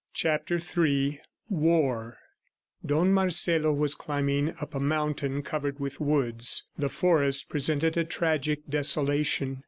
CHAPTER III WAR Don Marcelo was climbing up a mountain covered with woods. The forest presented a tragic desolation.